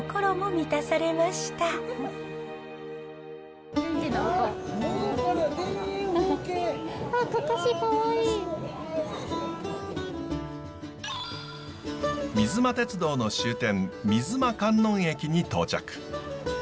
水間鉄道の終点水間観音駅に到着。